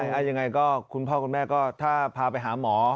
ยังไงก็คุณพ่อคุณแม่ก็ถ้าพาไปหาหมอ